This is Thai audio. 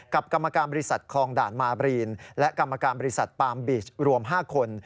กรรมการบริษัทคลองด่านมาบรีนและกรรมการบริษัทปามบีชรวม๕คน